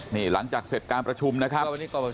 นี่หลังจากเสร็จการประชุมนะครับ